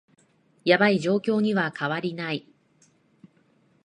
ヤバい状況には変わりない